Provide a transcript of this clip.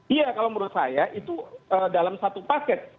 iya kalau menurut saya itu dalam satu paket